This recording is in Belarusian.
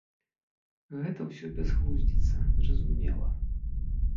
Гэта ўсё бязглуздзіца, зразумела.